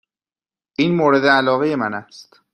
این مورد علاقه من است.